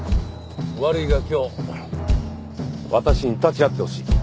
悪いが今日私に立ち会ってほしい。